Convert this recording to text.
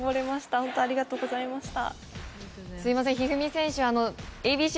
本当、ありがとうございました。